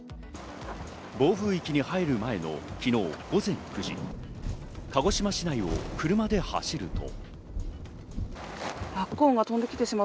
暴風域に入る前の昨日午前９時、鹿児島市内を車で走ると。